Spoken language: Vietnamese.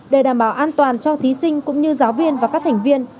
để đảm bảo an toàn cho thí sinh cũng như giáo viên và các thành viên